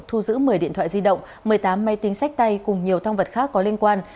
thu giữ một mươi điện thoại di động một mươi tám máy tính sách tay cùng nhiều thông vật khác có liên quan